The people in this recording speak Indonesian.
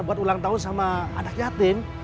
buat ulang tahun sama anak yatim